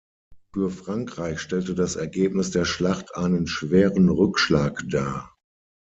Für Frankreich stellte das Ergebnis der Schlacht einen schweren Rückschlag dar.